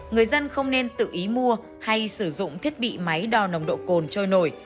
người dân không nên tự ý mua hay sử dụng thiết bị máy đo nồng độ cồn trôi nổi